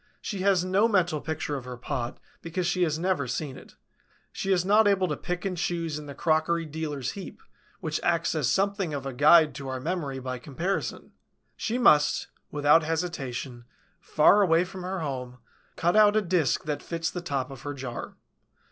She has no mental picture of her pot, because she has never seen it; she is not able to pick and choose in the crockery dealer's heap, which acts as something of a guide to our memory by comparison; she must, without hesitation, far away from her home, cut out a disk that fits the top of her jar.